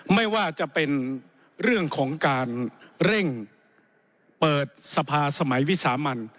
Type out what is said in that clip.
ไม่ว่าจะเป็นเรื่องของการเร่งเปิดสภาสมัยวิสามัน